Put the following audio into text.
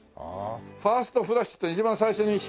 ファーストフラッシュって一番最初に新摘み茶？